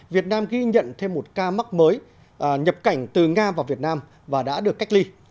việt nam ghi nhận thêm một ca mắc mới nhập cảnh từ nga vào việt nam và đã được cách ly